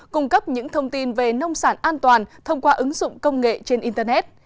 cung cấp những thông tin về nông sản an toàn thông qua ứng dụng công nghệ trên internet